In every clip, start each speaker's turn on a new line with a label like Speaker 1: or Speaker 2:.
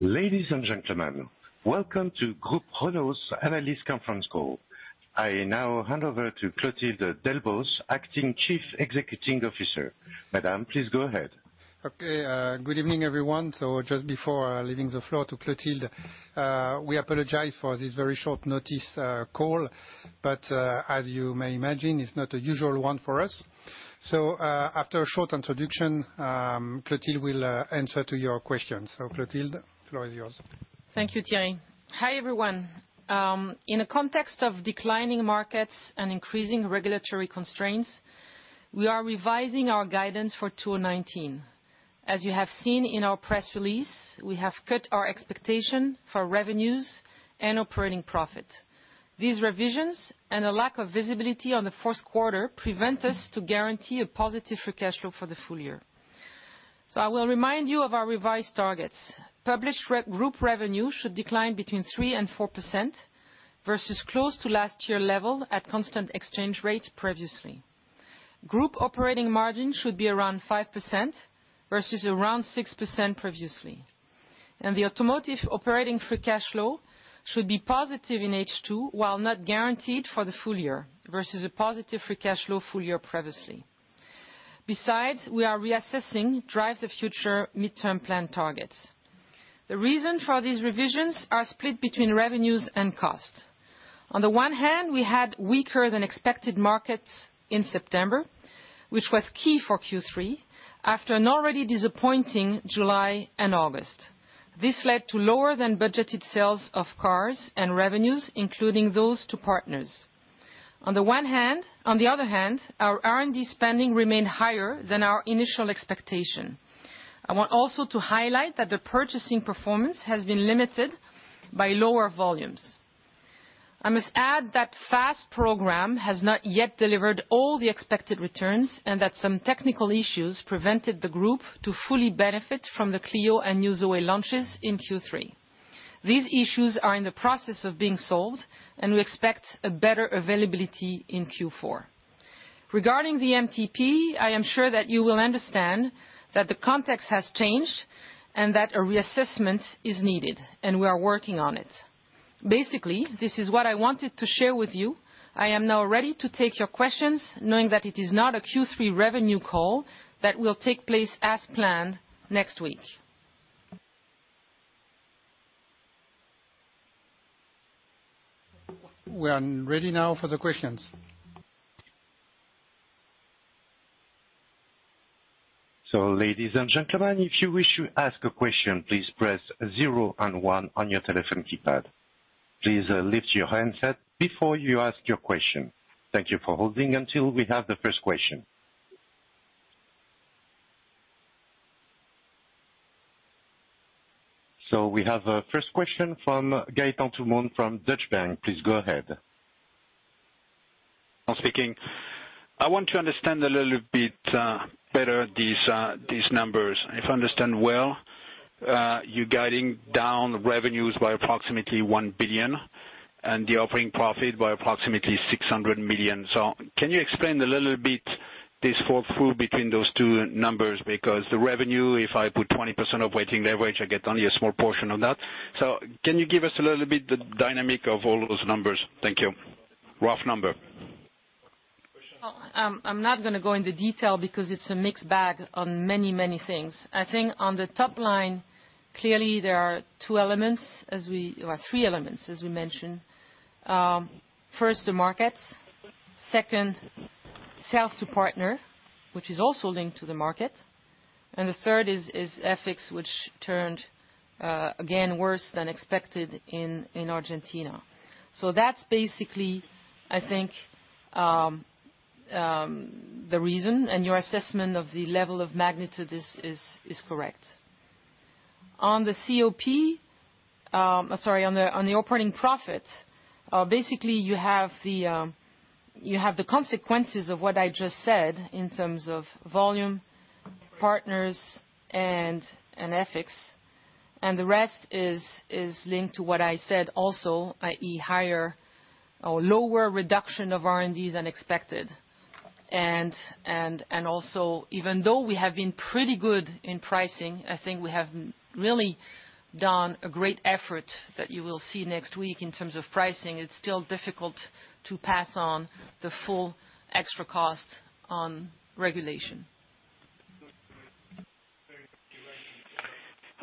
Speaker 1: Ladies and gentlemen, welcome to Groupe Renault's analyst conference call. I now hand over to Clotilde Delbos, acting Chief Executive Officer. Madame, please go ahead.
Speaker 2: Okay. Good evening, everyone. Just before leaving the floor to Clotilde, we apologize for this very short notice call, but as you may imagine, it's not a usual one for us. After a short introduction, Clotilde will answer to your questions. Clotilde, floor is yours.
Speaker 3: Thank you, Thierry. Hi, everyone. In a context of declining markets and increasing regulatory constraints, we are revising our guidance for 2019. As you have seen in our press release, we have cut our expectation for revenues and operating profit. These revisions and a lack of visibility on the fourth quarter prevent us to guarantee a positive free cash flow for the full year. I will remind you of our revised targets. Published group revenue should decline between 3% and 4% versus close to last year level at constant exchange rate previously. Group operating margin should be around 5% versus around 6% previously. The automotive operating free cash flow should be positive in H2, while not guaranteed for the full year, versus a positive free cash flow full year previously. Besides, we are reassessing Drive the Future mid-term plan targets. The reason for these revisions are split between revenues and costs. On the one hand, we had weaker than expected markets in September, which was key for Q3, after an already disappointing July and August. This led to lower than budgeted sales of cars and revenues, including those to partners. On the other hand, our R&D spending remained higher than our initial expectation. I want also to highlight that the purchasing performance has been limited by lower volumes. I must add that FAST Program has not yet delivered all the expected returns, and that some technical issues prevented the group to fully benefit from the Clio and New ZOE launches in Q3. These issues are in the process of being solved, and we expect a better availability in Q4. Regarding the MTP, I am sure that you will understand that the context has changed and that a reassessment is needed. We are working on it. Basically, this is what I wanted to share with you. I am now ready to take your questions, knowing that it is not a Q3 revenue call that will take place as planned next week.
Speaker 2: We are ready now for the questions.
Speaker 1: Ladies and gentlemen, if you wish to ask a question, please press 0 and 1 on your telephone keypad. Please lift your handset before you ask your question. Thank you for holding until we have the first question. We have a first question from Gaetan Toulemonde from Deutsche Bank. Please go ahead.
Speaker 4: Toulemonde speaking. I want to understand a little bit better these numbers. If I understand well, you're guiding down revenues by approximately 1 billion and the operating profit by approximately 600 million. Can you explain a little bit this fall through between those two numbers? Because the revenue, if I put 20% of weighting leverage, I get only a small portion of that. Can you give us a little bit the dynamic of all those numbers? Thank you. Rough number.
Speaker 3: I'm not going to go into detail because it's a mixed bag on many things. I think on the top line, clearly there are three elements as we mentioned. First, the markets. Second, sales to partner, which is also linked to the market. The third is FX, which turned, again, worse than expected in Argentina. That's basically, I think, the reason and your assessment of the level of magnitude is correct. On the operating profit, basically you have the consequences of what I just said in terms of volume, partners and FX. The rest is linked to what I said also, i.e. lower reduction of R&D than expected. Also, even though we have been pretty good in pricing, I think we have really done a great effort that you will see next week in terms of pricing. It's still difficult to pass on the full extra cost on regulation.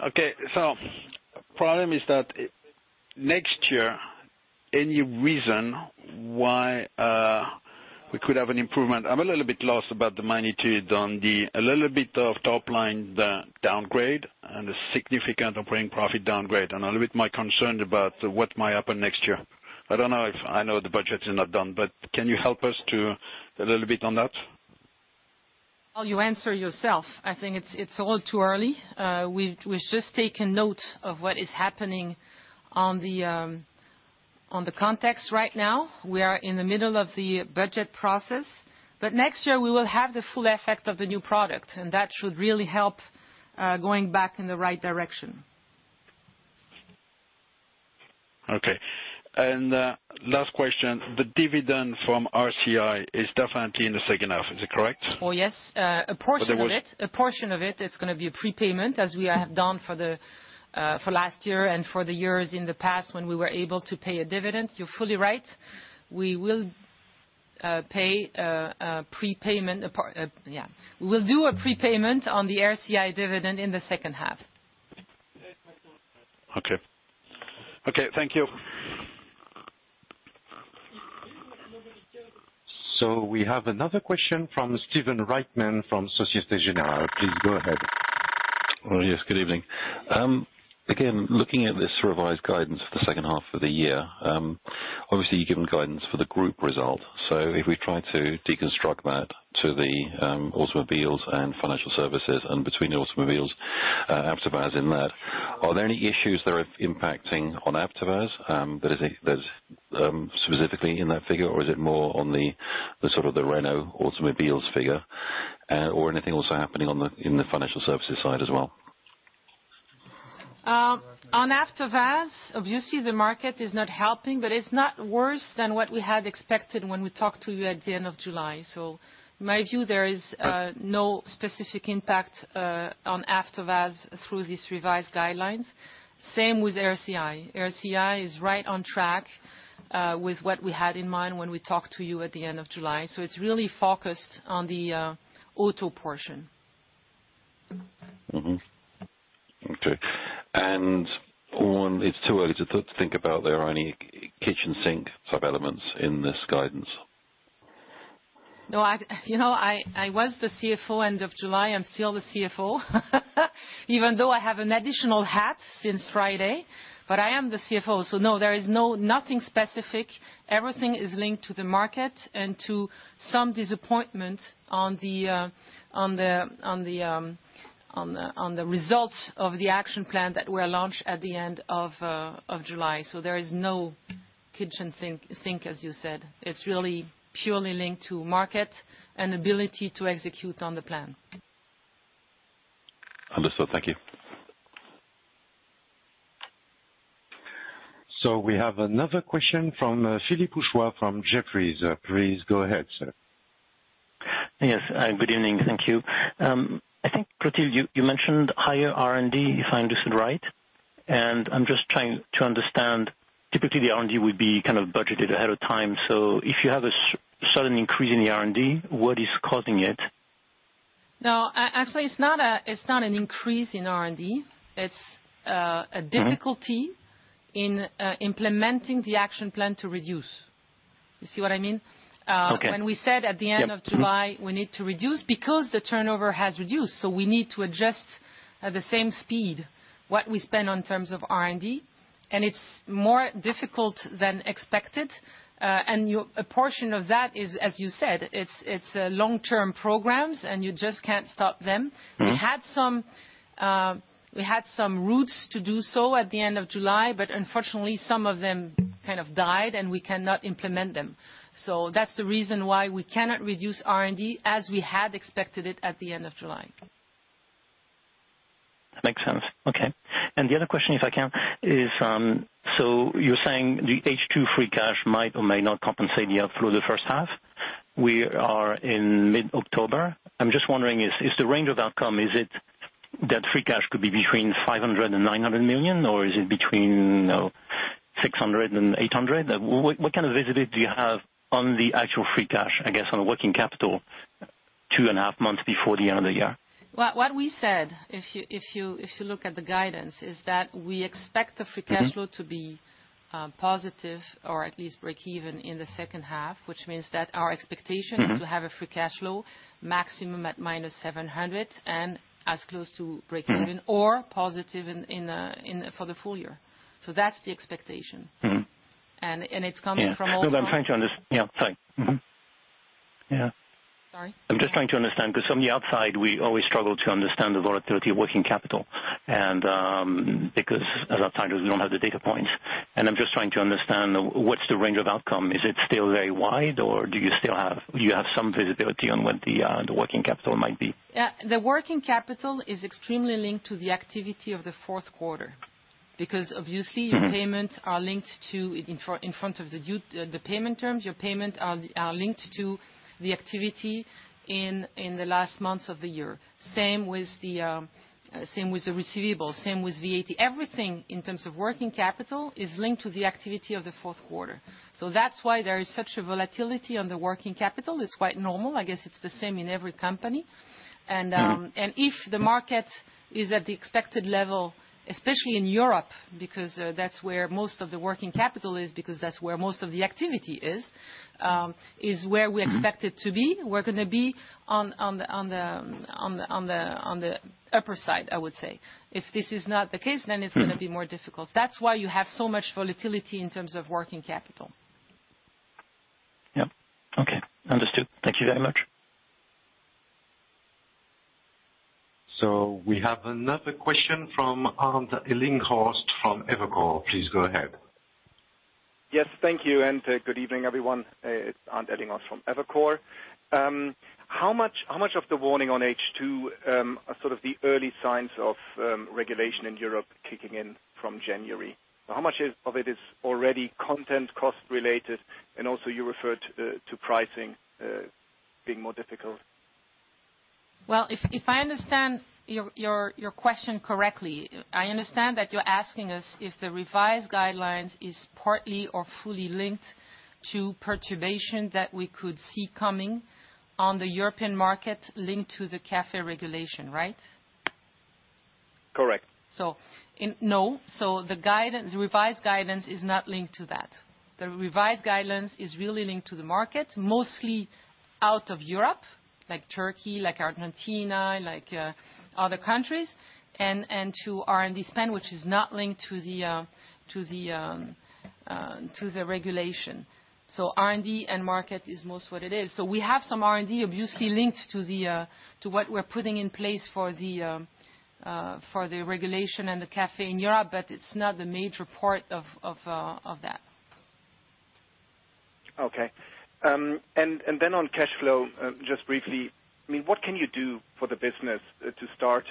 Speaker 4: Okay, problem is that next year, any reason why we could have an improvement? I'm a little bit lost about the magnitude on the, a little bit of top line downgrade and a significant operating profit downgrade. A little bit my concern about what might happen next year. I know the budget is not done, but can you help us a little bit on that?
Speaker 3: Well, you answer yourself. I think it's all too early. We've just taken note of what is happening on the context right now. We are in the middle of the budget process, but next year we will have the full effect of the new product, and that should really help going back in the right direction.
Speaker 4: Okay. Last question, the dividend from RCI is definitely in the second half, is it correct?
Speaker 3: Well, yes. A portion of it's going to be a prepayment, as we have done for last year and for the years in the past when we were able to pay a dividend. You're fully right. We will do a prepayment on the RCI dividend in the second half.
Speaker 4: Okay. Thank you.
Speaker 1: We have another question from Stephen Reitman from Societe Generale. Please go ahead.
Speaker 5: Yes, good evening. Again, looking at this revised guidance for the second half of the year. Obviously, you've given guidance for the group result. If we try to deconstruct that to the automobiles and financial services and between the automobiles, AVTOVAZ in that, are there any issues that are impacting on AVTOVAZ that is specifically in that figure or is it more on the sort of the Renault figure? Anything also happening in the financial services side as well?
Speaker 3: On AVTOVAZ, obviously the market is not helping, but it's not worse than what we had expected when we talked to you at the end of July. In my view, there is no specific impact on AVTOVAZ through these revised guidelines. Same with RCI. RCI is right on track, with what we had in mind when we talked to you at the end of July. It's really focused on the auto portion.
Speaker 5: Okay. It's too early to think about there are any kitchen sink type elements in this guidance?
Speaker 3: No. I was the CFO end of July. I'm still the CFO, even though I have an additional hat since Friday, but I am the CFO. No, there is nothing specific. Everything is linked to the market and to some disappointment on the results of the action plan that were launched at the end of July. There is no kitchen sink, as you said. It's really purely linked to market and ability to execute on the plan.
Speaker 5: Understood. Thank you.
Speaker 1: We have another question from Philippe Houchois from Jefferies. Please go ahead, sir.
Speaker 6: Yes. Good evening. Thank you. I think, Clotilde, you mentioned higher R&D, if I understood right, and I'm just trying to understand, typically, the R&D would be kind of budgeted ahead of time. If you have a sudden increase in the R&D, what is causing it?
Speaker 3: No, actually, it's not an increase in R&D. It's a difficulty in implementing the action plan to reduce. You see what I mean?
Speaker 6: Okay. Yep. Mm-hmm.
Speaker 3: When we said at the end of July, we need to reduce because the turnover has reduced. We need to adjust at the same speed what we spend on terms of R&D, and it's more difficult than expected. A portion of that is, as you said, it's long-term programs and you just can't stop them. We had some routes to do so at the end of July, but unfortunately, some of them kind of died and we cannot implement them. That's the reason why we cannot reduce R&D as we had expected it at the end of July.
Speaker 6: Makes sense. Okay. The other question, if I can, you're saying the H2 free cash might or might not compensate the outflow the first half. We are in mid-October. I'm just wondering, is the range of outcome, is it that free cash could be between 500 million and 900 million, or is it between 600 million and 800 million? What kind of visibility do you have on the actual free cash, I guess, on the working capital two and a half months before the end of the year?
Speaker 3: What we said, if you look at the guidance, is that we expect the free cash flow to be positive or at least breakeven in the second half, which means that our expectation. is to have a free cash flow maximum at -700 and as close to breakeven or positive for the full year. That's the expectation. And it's coming from also-
Speaker 6: Yeah. No, Yeah, sorry. Mm-hmm. Yeah.
Speaker 3: Sorry?
Speaker 6: I'm just trying to understand because on the outside, we always struggle to understand the volatility of working capital and because at that time, we don't have the data points. I'm just trying to understand what's the range of outcome. Is it still very wide, or do you have some visibility on what the working capital might be?
Speaker 3: Yeah. The working capital is extremely linked to the activity of the fourth quarter because obviously your payments are linked to, in front of the payment terms, your payment are linked to the activity in the last months of the year. Same with the receivable, same with VAT. Everything in terms of working capital is linked to the activity of the fourth quarter. That's why there is such a volatility on the working capital. It's quite normal. I guess it's the same in every company. If the market is at the expected level, especially in Europe, because, that's where most of the working capital is because that's where most of the activity is where we expect it to be. We're going to be on the upper side, I would say. If this is not the case, it's going to be more difficult. That's why you have so much volatility in terms of working capital.
Speaker 6: Yep. Okay. Understood. Thank you very much.
Speaker 1: We have another question from Arndt Ellinghorst from Evercore. Please go ahead.
Speaker 7: Yes. Thank you, good evening, everyone. It's Arndt Ellinghorst from Evercore. How much of the warning on H2 are sort of the early signs of regulation in Europe kicking in from January? How much of it is already content cost related? Also you referred to pricing being more difficult.
Speaker 3: Well, if I understand your question correctly, I understand that you're asking us if the revised guidelines is partly or fully linked to perturbation that we could see coming on the European market linked to the CAFE regulation, right?
Speaker 7: Correct.
Speaker 3: No, the revised guidance is not linked to that. The revised guidance is really linked to the market, mostly out of Europe, like Turkey, like Argentina, like other countries, and to R&D spend, which is not linked to the regulation. R&D and market is most what it is. We have some R&D obviously linked to what we're putting in place for the regulation and the CAFE in Europe, but it's not the major part of that.
Speaker 7: Okay. On cash flow, just briefly, what can you do for the business to start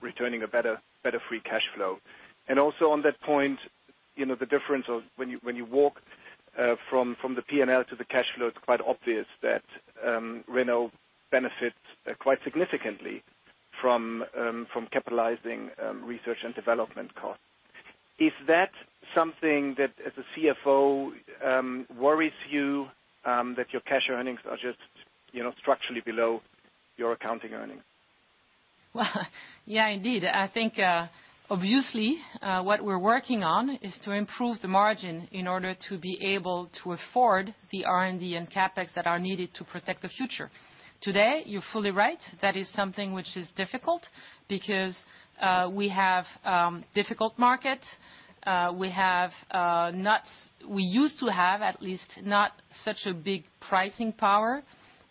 Speaker 7: returning a better free cash flow? Also on that point, the difference of when you walk from the P&L to the cash flow, it's quite obvious that Renault benefits quite significantly from capitalizing research and development costs. Is that something that, as a CFO, worries you that your cash earnings are just structurally below your accounting earnings?
Speaker 3: Well yeah, indeed. I think, obviously, what we're working on is to improve the margin in order to be able to afford the R&D and CapEx that are needed to protect the future. Today, you're fully right, that is something which is difficult because we have difficult markets. We used to have at least not such a big pricing power,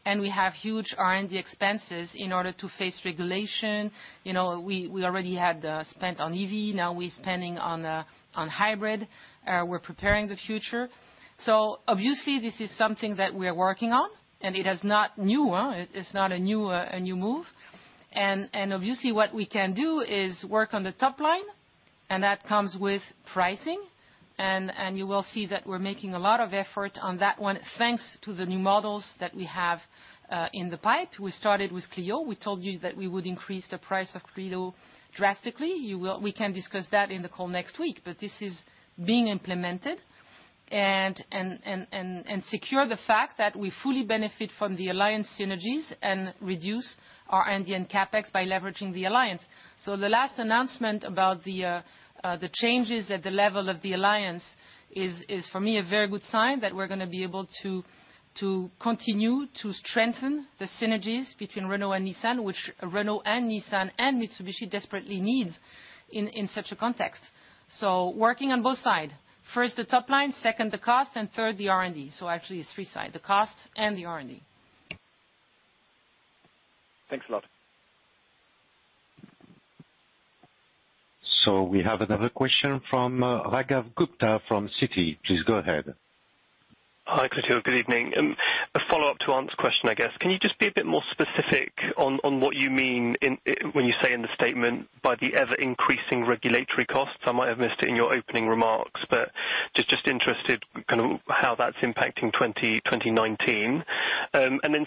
Speaker 3: and we have huge R&D expenses in order to face regulation. We already had spent on EV, now we're spending on hybrid. We're preparing the future. Obviously, this is something that we are working on, and it is not new. It's not a new move. Obviously, what we can do is work on the top line, and that comes with pricing. You will see that we're making a lot of effort on that one, thanks to the new models that we have in the pipe. We started with Clio. We told you that we would increase the price of Clio drastically. We can discuss that in the call next week, but this is being implemented, and secure the fact that we fully benefit from the alliance synergies and reduce R&D and CapEx by leveraging the alliance. The last announcement about the changes at the level of the alliance is, for me, a very good sign that we're going to be able to continue to strengthen the synergies between Renault and Nissan, which Renault and Nissan and Mitsubishi desperately needs in such a context. Working on both sides. First the top line, second the cost, and third the R&D. Actually it's three sides, the cost and the R&D.
Speaker 7: Thanks a lot.
Speaker 1: We have another question from Raghav Gupta from Citi. Please go ahead.
Speaker 8: Hi, Clotilde. Good evening. A follow-up to Arndt's question, I guess. Can you just be a bit more specific on what you mean when you say in the statement by the ever-increasing regulatory costs? I might have missed it in your opening remarks, but just interested kind of how that's impacting 2019.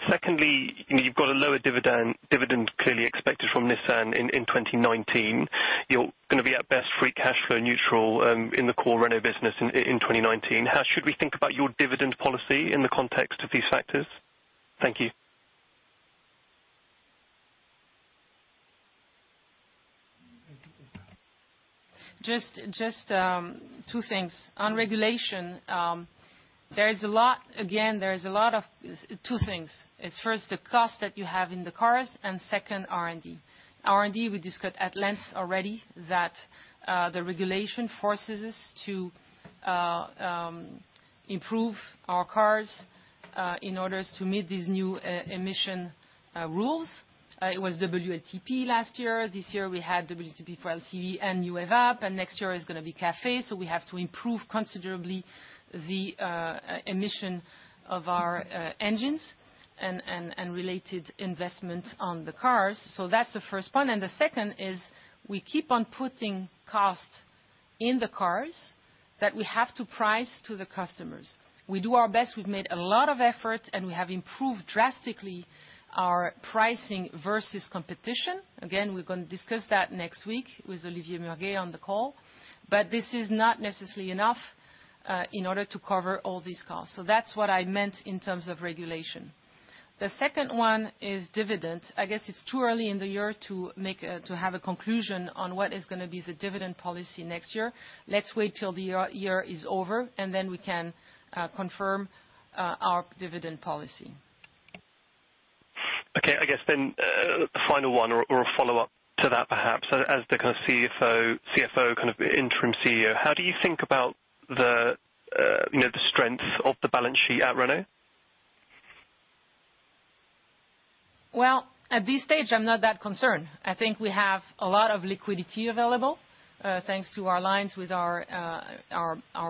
Speaker 8: Secondly, you've got a lower dividend clearly expected from Nissan in 2019. You're going to be at best free cash flow neutral in the core Renault business in 2019. How should we think about your dividend policy in the context of these factors? Thank you.
Speaker 3: Just two things. On regulation, again, there is a lot of two things. It's first the cost that you have in the cars, and second R&D. R&D, we discussed at length already that the regulation forces us to improve our cars in order to meet these new emission rules. It was WLTP last year. This year, we had WLTP for LCV and Euro 6d, and next year is going to be CAFE. We have to improve considerably the emission of our engines and related investments on the cars. That's the first point. The second is we keep on putting costs in the cars that we have to price to the customers. We do our best. We've made a lot of effort, and we have improved drastically our pricing versus competition. Again, we're going to discuss that next week with Olivier Murguet on the call. This is not necessarily enough in order to cover all these costs. That's what I meant in terms of regulation. The second one is dividend. I guess it's too early in the year to have a conclusion on what is going to be the dividend policy next year. Let's wait till the year is over, and then we can confirm our dividend policy.
Speaker 8: I guess then a final one or a follow-up to that, perhaps. As the kind of CFO, Interim CEO, how do you think about the strength of the balance sheet at Renault?
Speaker 3: Well, at this stage, I'm not that concerned. I think we have a lot of liquidity available thanks to our lines with our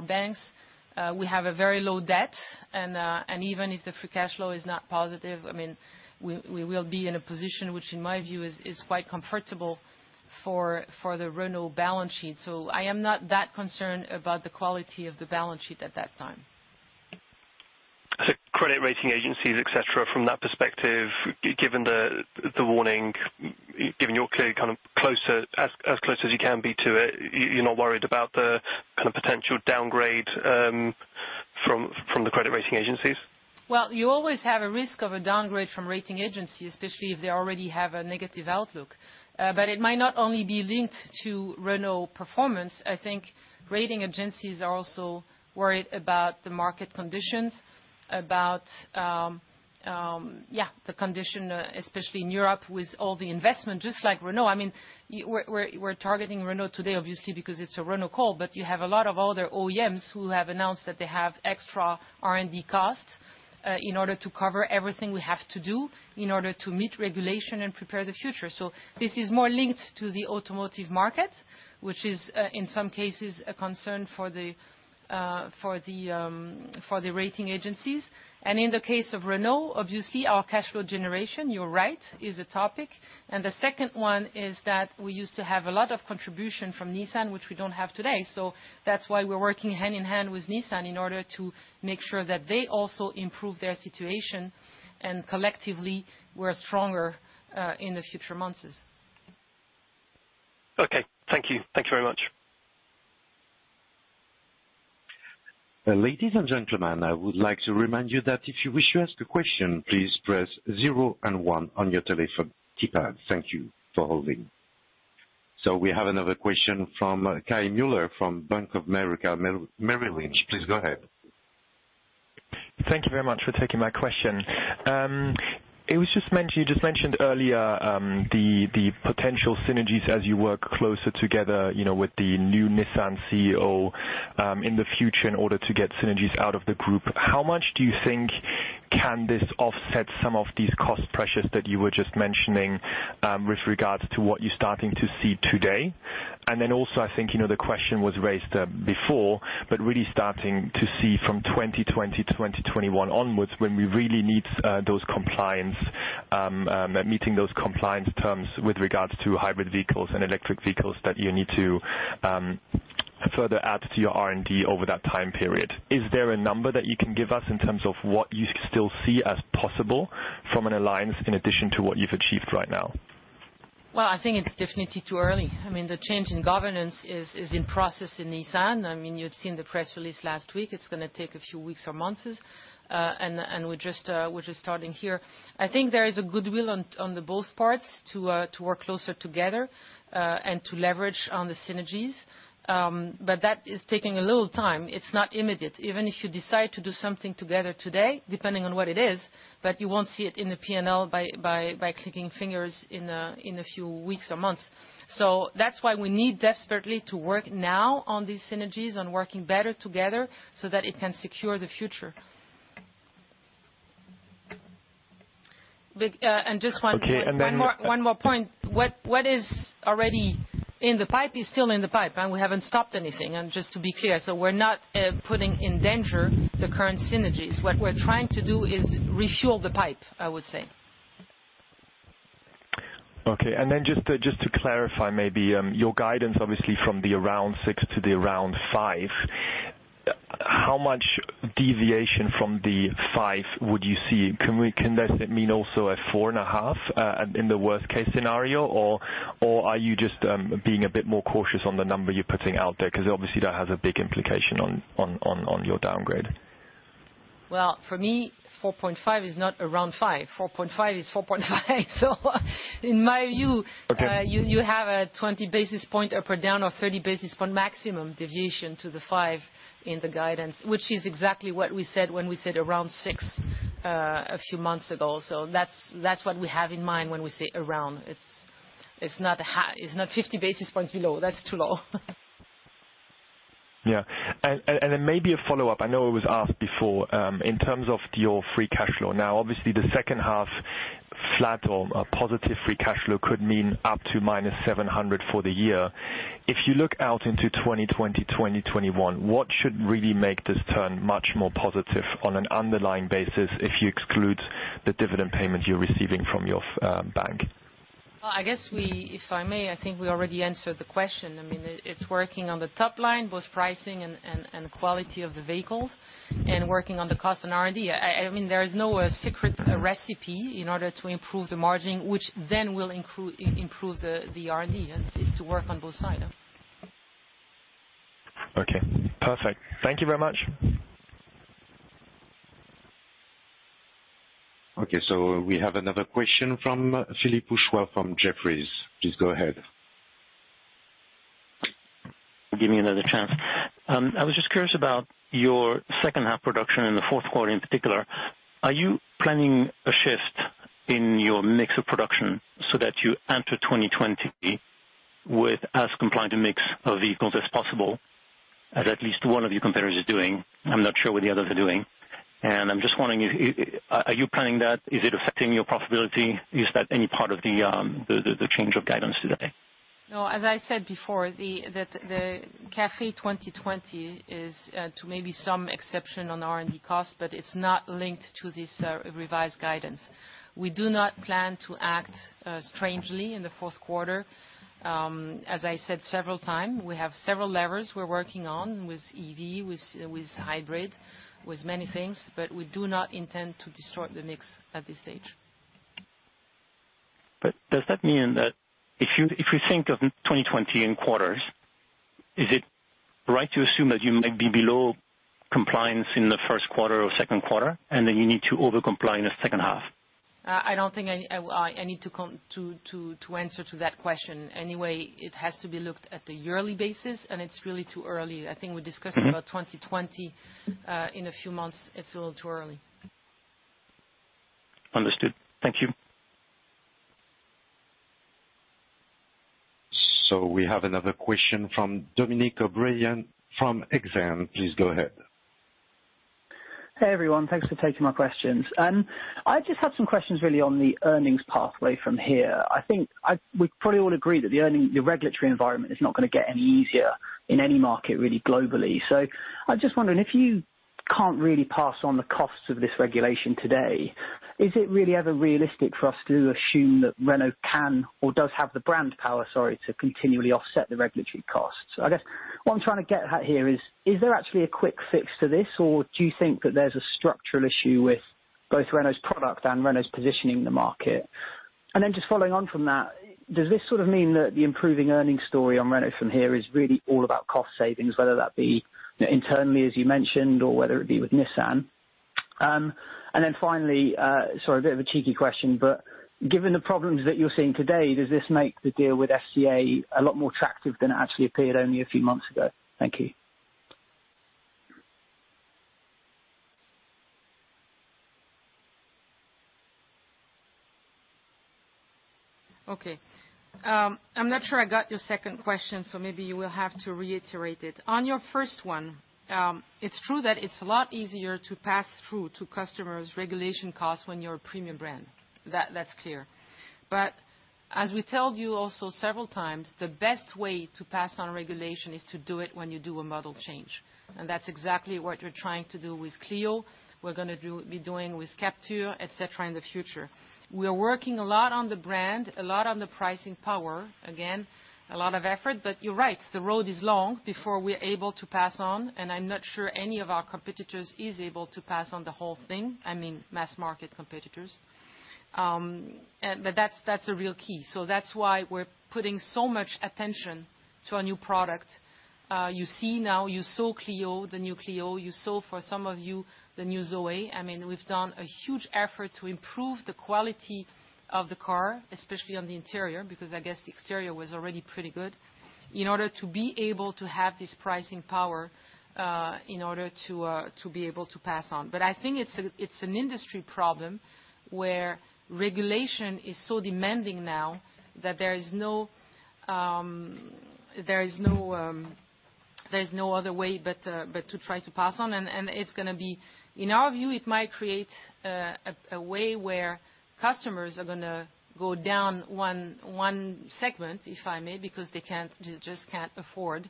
Speaker 3: banks. We have a very low debt, and even if the free cash flow is not positive, we will be in a position, which in my view, is quite comfortable for the Renault balance sheet. I am not that concerned about the quality of the balance sheet at that time.
Speaker 8: Credit rating agencies, et cetera, from that perspective, given the warning, given you're as close as you can be to it, you're not worried about the potential downgrade from the credit rating agencies?
Speaker 3: Well, you always have a risk of a downgrade from rating agencies, especially if they already have a negative outlook. It might not only be linked to Renault performance. I think rating agencies are also worried about the market conditions, about the condition, especially in Europe with all the investment, just like Renault. We're targeting Renault today obviously because it's a Renault call, but you have a lot of other OEMs who have announced that they have extra R&D costs in order to cover everything we have to do in order to meet regulation and prepare the future. This is more linked to the automotive market, which is, in some cases, a concern for the rating agencies. In the case of Renault, obviously, our cash flow generation, you're right, is a topic. The second one is that we used to have a lot of contribution from Nissan, which we don't have today. That's why we're working hand-in-hand with Nissan in order to make sure that they also improve their situation, and collectively, we're stronger in the future months.
Speaker 8: Okay. Thank you. Thank you very much.
Speaker 1: Ladies and gentlemen, I would like to remind you that if you wish to ask a question, please press zero and one on your telephone keypad. Thank you for holding. We have another question from Kai Mueller from Bank of America Merrill Lynch. Please go ahead.
Speaker 9: Thank you very much for taking my question. You just mentioned earlier, the potential synergies as you work closer together, with the new Nissan CEO, in the future in order to get synergies out of the group. How much do you think can this offset some of these cost pressures that you were just mentioning, with regards to what you're starting to see today? Then also, I think, the question was raised before, really starting to see from 2020, 2021 onwards when we really need meeting those compliance terms with regards to hybrid vehicles and electric vehicles that you need to further add to your R&D over that time period. Is there a number that you can give us in terms of what you still see as possible from an alliance in addition to what you've achieved right now?
Speaker 3: Well, I think it's definitely too early. The change in governance is in process in Nissan. You've seen the press release last week. It's going to take a few weeks or months, and we're just starting here. I think there is a goodwill on the both parts to work closer together, and to leverage on the synergies. That is taking a little time. It's not immediate. Even if you decide to do something together today, depending on what it is, but you won't see it in the P&L by clicking fingers in a few weeks or months. That's why we need desperately to work now on these synergies, on working better together so that it can secure the future.
Speaker 9: Okay.
Speaker 3: One more point. What is already in the pipe is still in the pipe, and we haven't stopped anything. Just to be clear, we're not putting in danger the current synergies. What we're trying to do is refuel the pipe, I would say.
Speaker 9: Okay. Just to clarify maybe, your guidance, obviously, from the around 6 to the around 5, how much deviation from the 5 would you see? Can that mean also a 4.5, in the worst case scenario? Are you just being a bit more cautious on the number you're putting out there? Obviously, that has a big implication on your downgrade.
Speaker 3: Well, for me, 4.5 is not around 5. 4.5 is 4.5.
Speaker 9: Okay
Speaker 3: you have a 20 basis point up or down or 30 basis point maximum deviation to the five in the guidance, which is exactly what we said when we said around six, a few months ago. That's what we have in mind when we say around. It's not 50 basis points below. That's too low.
Speaker 9: Yeah. Maybe a follow-up, I know it was asked before, in terms of your free cash flow. Now, obviously, the second half flat or a positive free cash flow could mean up to minus 700 for the year. If you look out into 2020, 2021, what should really make this turn much more positive on an underlying basis if you exclude the dividend payment you're receiving from your RCI Banque?
Speaker 3: Well, I guess, if I may, I think we already answered the question. It is working on the top line, both pricing and quality of the vehicles, and working on the cost and R&D. There is no secret recipe in order to improve the margin, which then will improve the R&D. It is to work on both sides.
Speaker 9: Okay. Perfect. Thank you very much.
Speaker 1: Okay, we have another question from Philippe Houchois from Jefferies. Please go ahead.
Speaker 6: Give me another chance. I was just curious about your second half production in the fourth quarter in particular. Are you planning a shift in your mix of production so that you enter 2020 with as compliant a mix of vehicles as possible? As at least one of your competitors are doing, I'm not sure what the others are doing. I'm just wondering, are you planning that? Is it affecting your profitability? Is that any part of the change of guidance today?
Speaker 3: No, as I said before, the CAFE 2020 is to maybe some exception on R&D cost, but it's not linked to this revised guidance. We do not plan to act strangely in the fourth quarter. As I said several times, we have several levers we're working on with EV, with hybrid, with many things, but we do not intend to distort the mix at this stage.
Speaker 6: Does that mean that if we think of 2020 in quarters, is it right to assume that you might be below compliance in the first quarter or second quarter, and then you need to overcomply in the second half?
Speaker 3: I don't think I need to answer to that question. Anyway, it has to be looked at the yearly basis, and it's really too early. I think we discuss about 2020 in a few months. It's a little too early.
Speaker 6: Understood. Thank you.
Speaker 1: We have another question from Dominic O'Brien from Exane. Please go ahead.
Speaker 10: Hey, everyone. Thanks for taking my questions. I just had some questions really on the earnings pathway from here. I think we probably all agree that the regulatory environment is not going to get any easier in any market, really globally. I'm just wondering, if you can't really pass on the costs of this regulation today, is it really ever realistic for us to assume that Renault can or does have the brand power, sorry, to continually offset the regulatory costs? I guess what I'm trying to get at here is there actually a quick fix to this, or do you think that there's a structural issue with both Renault's product and Renault's positioning in the market? Just following on from that, does this sort of mean that the improving earnings story on Renault from here is really all about cost savings, whether that be internally, as you mentioned, or whether it be with Nissan? Finally, sorry, a bit of a cheeky question, but given the problems that you're seeing today, does this make the deal with FCA a lot more attractive than it actually appeared only a few months ago? Thank you.
Speaker 3: Okay. I'm not sure I got your second question, so maybe you will have to reiterate it. On your first one, it's true that it's a lot easier to pass through to customers regulation costs when you're a premium brand. That's clear. As we told you also several times, the best way to pass on regulation is to do it when you do a model change. That's exactly what we're trying to do with Clio, we're going to be doing with Captur, et cetera, in the future. We are working a lot on the brand, a lot on the pricing power. A lot of effort, but you're right, the road is long before we're able to pass on, and I'm not sure any of our competitors is able to pass on the whole thing, I mean, mass market competitors. That's the real key. That's why we're putting so much attention to our new product. You see now, you saw Clio, the new Clio, you saw for some of you, the New ZOE. We've done a huge effort to improve the quality of the car, especially on the interior, because I guess the exterior was already pretty good, in order to be able to have this pricing power, in order to be able to pass on. I think it's an industry problem where regulation is so demanding now that there is no other way but to try to pass on. It's going to be, in our view, it might create a way where customers are going to go down 1 segment, if I may, because they just can't afford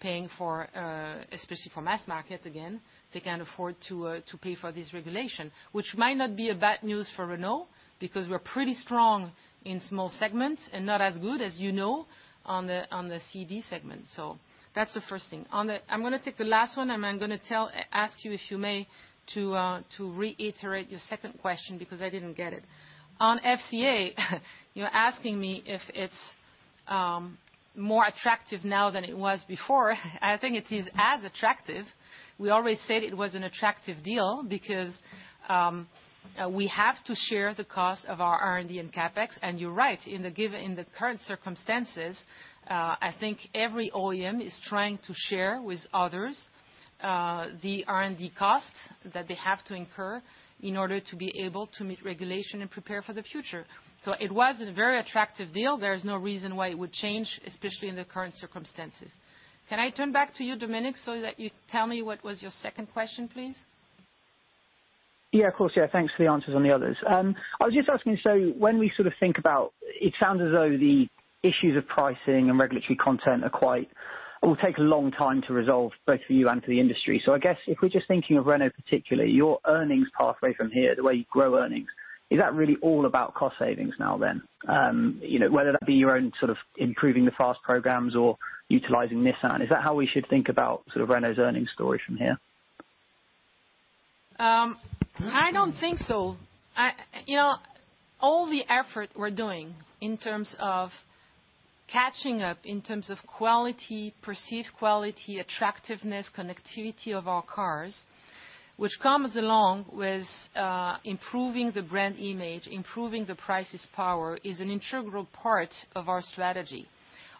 Speaker 3: paying for, especially for mass market, again, they can't afford to pay for this regulation. Which might not be a bad news for Renault, because we're pretty strong in small segments and not as good as you know, on the C/D segment. That's the first thing. I'm going to take the last one, and I'm going to ask you, if you may, to reiterate your second question because I didn't get it. On FCA, you're asking me if it's more attractive now than it was before. I think it is as attractive. We always said it was an attractive deal because we have to share the cost of our R&D and CapEx. You're right. In the current circumstances, I think every OEM is trying to share with others, the R&D costs that they have to incur in order to be able to meet regulation and prepare for the future. It was a very attractive deal. There is no reason why it would change, especially in the current circumstances. Can I turn back to you, Dominic, so that you tell me what was your second question, please?
Speaker 10: Yeah, of course. Yeah. Thanks for the answers on the others. I was just asking, when we sort of think about, it sounds as though the issues of pricing and regulatory content will take a long time to resolve, both for you and for the industry. I guess if we're just thinking of Renault particularly, your earnings pathway from here, the way you grow earnings, is that really all about cost savings now then? Whether that be your own sort of improving the FAST programs or utilizing Nissan. Is that how we should think about sort of Renault's earnings story from here?
Speaker 3: I don't think so. All the effort we're doing in terms of catching up, in terms of quality, perceived quality, attractiveness, connectivity of our cars, which comes along with improving the brand image, improving the pricing power is an integral part of our strategy.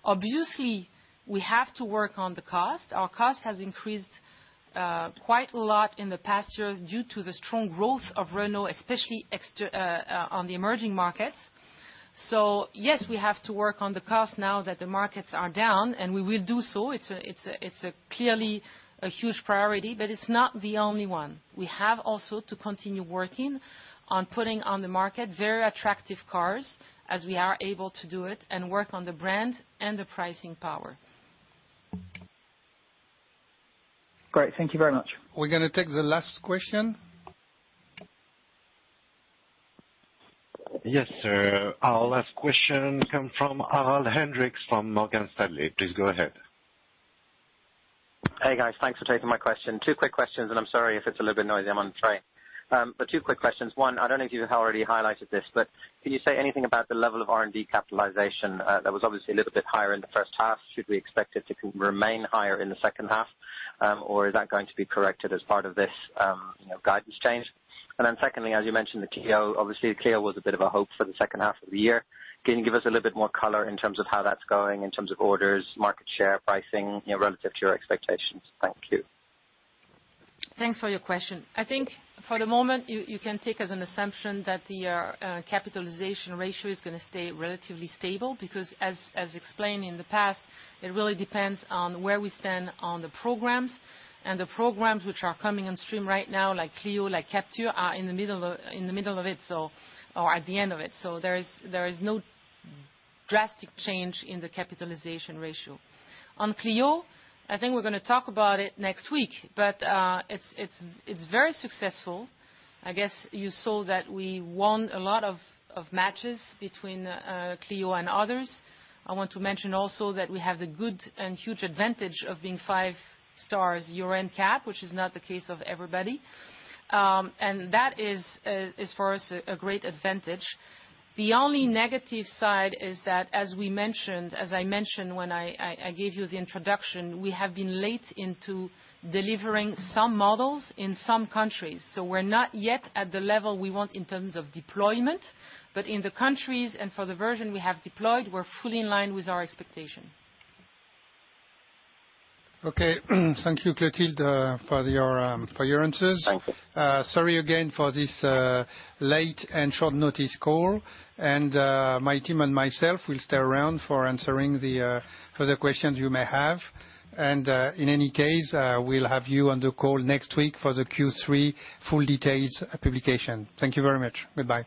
Speaker 3: Obviously, we have to work on the cost. Our cost has increased quite a lot in the past year due to the strong growth of Renault, especially on the emerging markets. Yes, we have to work on the cost now that the markets are down, and we will do so. It's clearly a huge priority, but it's not the only one. We have also to continue working on putting on the market very attractive cars as we are able to do it and work on the brand and the pricing power.
Speaker 10: Great. Thank you very much.
Speaker 2: We're going to take the last question.
Speaker 1: Yes, sir. Our last question come from Harald Hendrikse from Morgan Stanley. Please go ahead.
Speaker 11: Hey, guys. Thanks for taking my question. Two quick questions, and I'm sorry if it's a little bit noisy, I'm on a train. Two quick questions. One, I don't know if you have already highlighted this, but could you say anything about the level of R&D capitalization? That was obviously a little bit higher in the first half. Should we expect it to remain higher in the second half, or is that going to be corrected as part of this guidance change? Secondly, as you mentioned, the Clio, obviously, the Clio was a bit of a hope for the second half of the year. Can you give us a little bit more color in terms of how that's going in terms of orders, market share, pricing, relative to your expectations? Thank you.
Speaker 3: Thanks for your question. I think for the moment, you can take as an assumption that the capitalization ratio is going to stay relatively stable because, as explained in the past, it really depends on where we stand on the programs. The programs which are coming on stream right now, like Clio, like Captur, are in the middle of it or at the end of it. There is no drastic change in the capitalization ratio. On Clio, I think we're going to talk about it next week, but it's very successful. I guess you saw that we won a lot of matches between Clio and others. I want to mention also that we have the good and huge advantage of being 5-stars Euro NCAP, which is not the case of everybody. That is, for us, a great advantage. The only negative side is that as I mentioned when I gave you the introduction, we have been late into delivering some models in some countries. We're not yet at the level we want in terms of deployment, but in the countries and for the version we have deployed, we're fully in line with our expectation.
Speaker 2: Okay. Thank you, Clotilde, for your answers.
Speaker 3: Thank you.
Speaker 2: Sorry again for this late- and short-notice call. My team and myself will stay around for answering the further questions you may have. In any case, we'll have you on the call next week for the Q3 full details publication. Thank you very much. Goodbye.